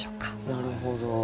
なるほど。